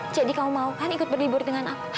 jadi kamu mau kan ikut berlibur dengan aku